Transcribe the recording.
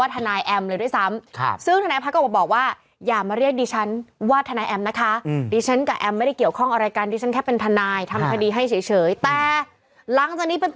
ตั้งต้นไปดิฉันไม่ใช่ทนายของแอมสัญญาณายแล้วนะคะ